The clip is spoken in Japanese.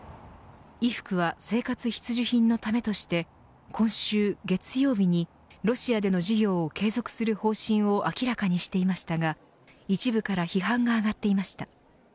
衣服は生活必需品のためとして今週月曜日にロシアでの事業を継続する方針を明らかにしていましたが一部から批判が上がっていました。